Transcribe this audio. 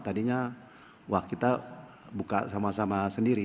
tadinya wah kita buka sama sama sendiri